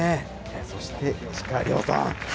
そして石川遼さん。